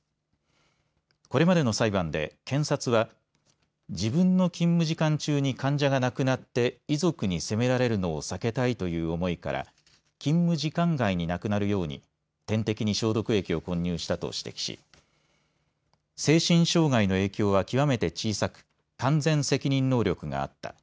これまでの裁判で検察は自分の勤務時間中に患者が亡くなって遺族に責められるのを避けたいという思いから勤務時間外に亡くなるように点滴に消毒液を混入したと指摘し精神障害の影響は極めて小さく完全責任能力があった。